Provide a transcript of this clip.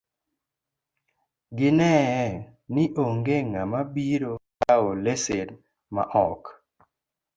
Ginee ni onge ng'ama biro kawo lesen ma ok